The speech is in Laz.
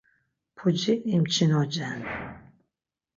Puci imçinocen.